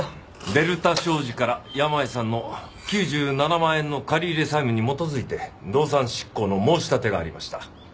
デルタ商事から山家さんの９７万円の借入債務に基づいて動産執行の申し立てがありました。